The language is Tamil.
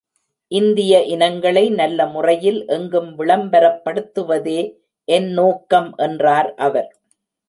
இந்திய இனங்களை நல்ல முறையில் எங்கும் விளம்பரப்படுத்துவதே என் நோக்கம் என்றார் அவர்.